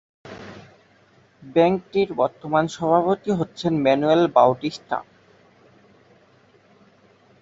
ব্যাংকটির বর্তমান সভাপতি হচ্ছেন মানুয়েল বাউটিস্টা।